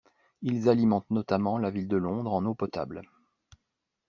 Ils alimentent notamment la ville de Londres en eau potable.